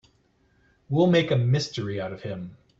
We'll make a mystery out of him.